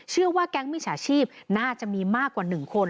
เชื่อว่าแก๊งมิจฉาชีพน่าจะมีมากกว่า๑คน